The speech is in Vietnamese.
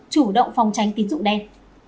chủ động phòng tránh tín dụng đen